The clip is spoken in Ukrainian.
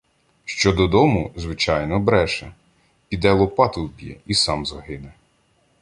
Що додому, звичайно, бреше; піде Лопату вб'є і сам загине.